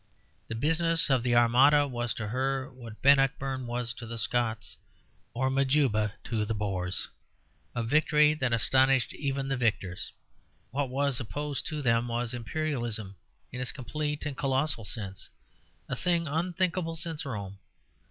The business of the Armada was to her what Bannockburn was to the Scots, or Majuba to the Boers a victory that astonished even the victors. What was opposed to them was Imperialism in its complete and colossal sense, a thing unthinkable since Rome.